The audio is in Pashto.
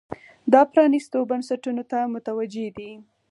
دا پرانیستو بنسټونو ته متوجې دي.